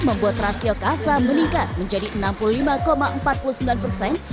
membuat rasio kasa meningkat menjadi enam puluh lima empat puluh sembilan persen